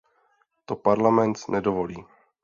To Parlament nedovolí.